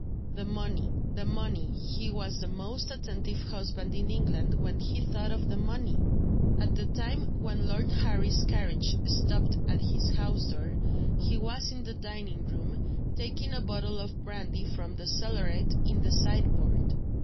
The money, the money he was the most attentive husband in England when he thought of the money! At the time when Lord Harry's carriage stopped at his house door, he was in the dining room, taking a bottle of brandy from the cellaret in the sideboard.